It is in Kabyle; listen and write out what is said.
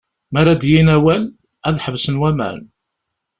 Mi ara d-yini awal, ad ḥebsen waman.